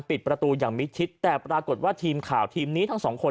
ปิดประตูอย่างมิดชิดแต่ปรากฏว่าทีมข่าวทีมนี้ทั้งสองคน